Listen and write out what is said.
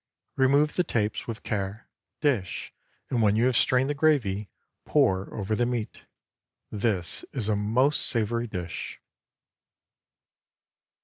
Remove the tapes with care; dish, and when you have strained the gravy, pour over the meat. This is a most savory dish.